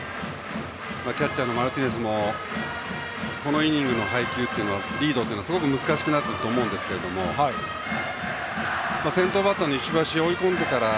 キャッチャーのマルティネスも、このイニングのリードというのはすごく難しくなると思うんですが先頭バッターの石橋を追い込んでから。